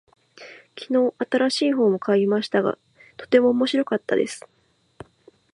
昨日、新しい本を買いましたが、とても面白かったです。